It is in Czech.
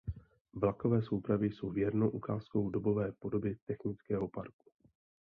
Vlakové soupravy jsou věrnou ukázkou dobové podoby technického parku.